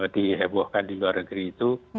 dihebohkan di luar negeri itu